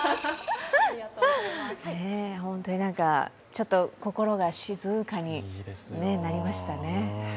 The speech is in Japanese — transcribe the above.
ちょっと心が静かになりましたね。